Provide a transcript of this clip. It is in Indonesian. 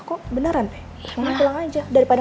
kok beneran pe mami pulang aja